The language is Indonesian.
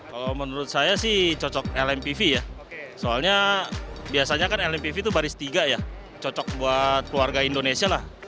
kalau menurut saya sih cocok lmpv ya soalnya biasanya kan lmpv itu baris tiga ya cocok buat keluarga indonesia lah